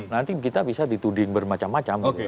nanti kita bisa dituding bermacam macam